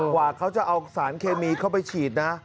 กว่าเขาจะเอาสารเคมีเข้าไปฉีดนะ